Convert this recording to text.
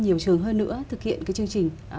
nhiều trường hơn nữa thực hiện cái chương trình